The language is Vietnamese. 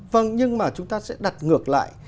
vâng nhưng mà chúng ta sẽ đặt ngược lại